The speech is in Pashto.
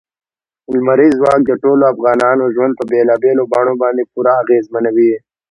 لمریز ځواک د ټولو افغانانو ژوند په بېلابېلو بڼو باندې پوره اغېزمنوي.